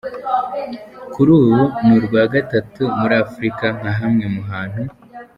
Kuri ubu ni urwa gatatu muri Afurika nka hamwe mu hantu